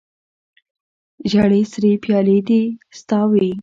ژړې سرې پیالې دې ستا وي